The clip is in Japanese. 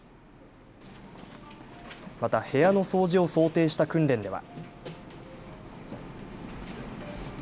また部屋の掃除を想定した訓練では。